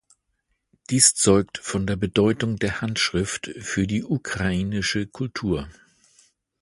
Dies zeugt von der Bedeutung der Handschrift für die ukrainische Kultur.